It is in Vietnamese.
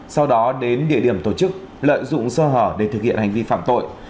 sau đó đến địa điểm tổ chức lợi dụng sơ hở để thực hiện hành vi phạm tội